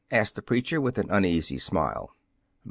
asked the preacher with an uneasy smile.